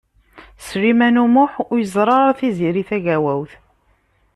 Sliman U Muḥ ur yeẓri ara Tiziri Tagawawt.